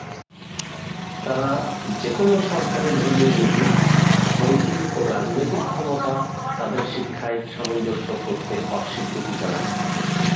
তারা যেকোনো সরকারি ধর্মীয় নীতি, নৈতিক ও রাজনৈতিক ক্ষমতা তাদের শিক্ষায় সামঞ্জস্য করতে অস্বীকৃতি জানায়।